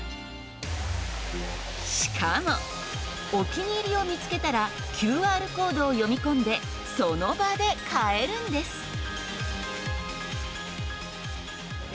しかもお気に入りを見つけたらＱＲコードを読み込んでその場で買えるんです。